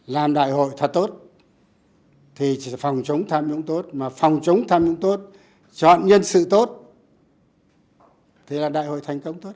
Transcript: làm đại hội thật tốt thì phòng chống tham nhũng tốt mà phòng chống tham nhũng tốt chọn nhân sự tốt thì là đại hội thành công tốt